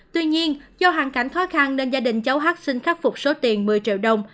tuy nhiên do hoàn cảnh khó khăn nên gia đình cháu hát xin khắc phục số tiền một mươi triệu đồng